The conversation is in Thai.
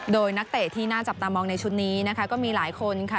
โดยนักเตะที่น่าจับตามองในชุดนี้นะคะก็มีหลายคนค่ะ